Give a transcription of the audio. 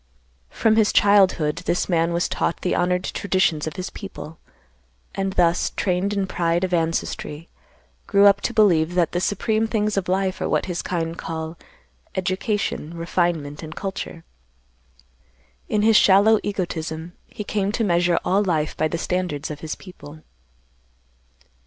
"From his childhood this man was taught the honored traditions of his people, and, thus trained in pride of ancestry, grew up to believe that the supreme things of life are what his kind call education, refinement, and culture. In his shallow egotism, he came to measure all life by the standards of his people.